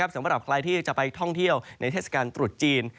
สำหรับใครที่จะไปท่องเที่ยวในเทศกาลตรุษจีน